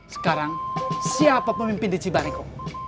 sekarang siapa pemimpin di cibaliko